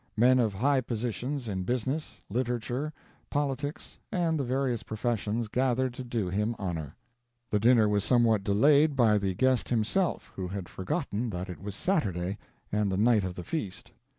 Men of high positions in business, literature, politicos, and the various professions gathered to do him honor. The dinner was somewhat delayed by the guest himself, who had forgotten that it was Saturday and the night of the feast.